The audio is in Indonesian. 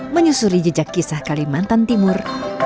menyusuri jejak kisah kalimantan timur